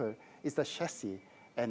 misalnya adalah stasiun